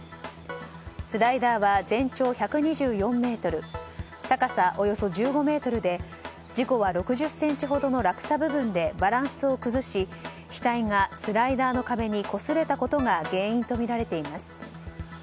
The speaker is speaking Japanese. スライダーは全長１２４ｍ高さおよそ１５ｍで事故は６０ｃｍほどの落差部分でバランスを崩し額がスライダーの壁にこすれたことが原因とみられています。